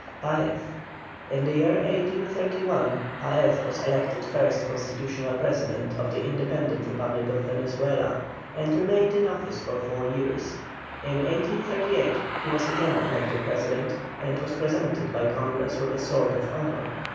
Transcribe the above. PAEZ. In the year 1831 Paez was elected first Constitutional President of the Independent Republic of Venezuela, and remained in office for four years. In 1838 he was again elected President, and was presented by Congress with a sword of honour.